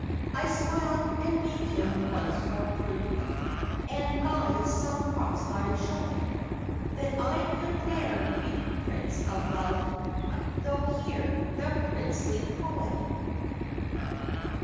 I smiled, and bade him once more prove, And by some cross line show it, That I could ne'er be Prince of Love, Though here the Princely Poet.